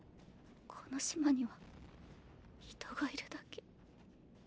この島には人がいるだけ。